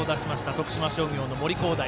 徳島商業の森煌誠。